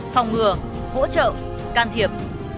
phòng ngừa hỗ trợ can thiệp